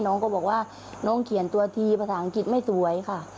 น้องก็บอกว่าน้องเขียนตัวทีภาษาอังกฤษไม่สวยค่ะ